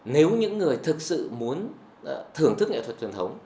nếu những người thực sự muốn thưởng thức nghệ thuật truyền thống